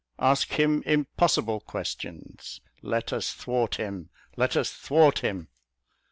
Ask him impossible questions. Let us thwart him, let us thwart him.